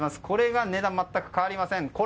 これが値段全く変わりません。